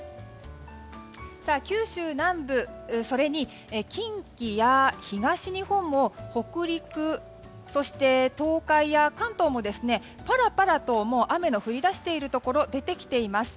九州南部、それに近畿や東日本北陸、そして東海や関東もパラパラと雨の降り出しているところ出てきています。